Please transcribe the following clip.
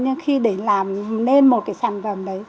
nhưng khi để làm nên một cái sản phẩm đấy